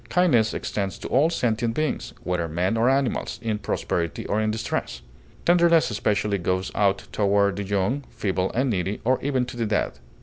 Kindness extends to all sentient beings, whether men or animals, in prosperity or in distress. Tenderness especially goes out toward the young, feeble, and needy, or even to the dead.